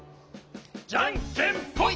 じゃんけんぽい！